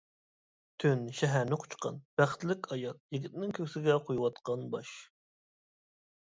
تۈن شەھەرنى قۇچقان، بەختلىك ئايال، يىگىتنىڭ كۆكسىگە قويۇۋاتقان باش.